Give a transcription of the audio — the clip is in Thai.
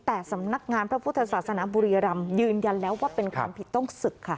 แต่สำนักงานพระพุทธศาสนาบุรีรำยืนยันแล้วว่าเป็นความผิดต้องศึกค่ะ